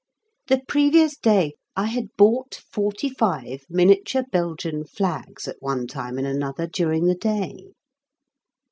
The previous day I had bought forty five miniature Belgian flags at one time and another during the day.